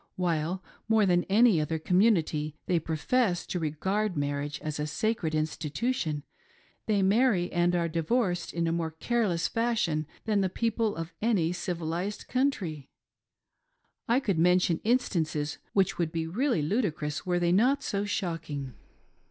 While, more than any other community, they profess to regard marriage as a sacred institution, they marry and are divorced in a more careless fashion than the people of any civilised country. I could mention instances which would be really ludicrous were they not so shocking.